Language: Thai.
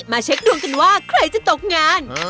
มาเช็คดวงกันว่าแม่บ้านจะตกงาน